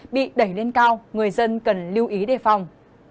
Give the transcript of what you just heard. bị đẩy lên cao người dân cần lưu ý đề phòng